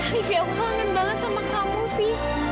livi aku kangen banget sama kamu vi